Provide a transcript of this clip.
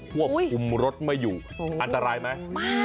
ควบคุมรถไม่อยู่อันตรายไหม